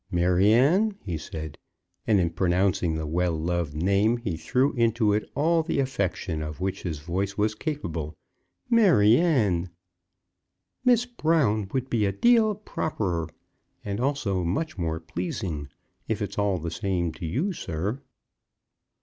"Maryanne!" he said, and, in pronouncing the well loved name, he threw into it all the affection of which his voice was capable, "Maryanne!" "'Miss Brown' would be a deal properer, and also much more pleasing, if it's all the same to you, sir!"